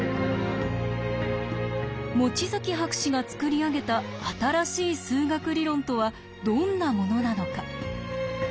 望月博士がつくり上げた新しい数学理論とはどんなものなのか。